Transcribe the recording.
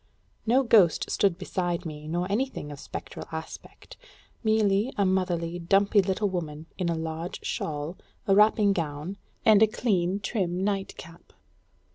No ghost stood beside me, nor anything of spectral aspect; merely a motherly, dumpy little woman, in a large shawl, a wrapping gown, and a clean, trim, nightcap.